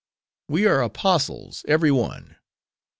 We are apostles, every one.